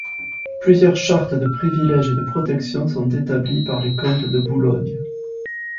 Plusieurs chartes de privilèges et de protections sont établies par les comtes de Boulogne.